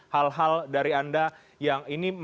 hal hal dari anda yang ini